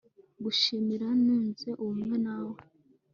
kugushimira, nunze ubumwe nawe